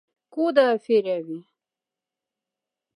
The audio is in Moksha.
Кода аф эряви!